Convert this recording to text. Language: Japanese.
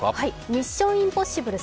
「ミッション：インポッシブル」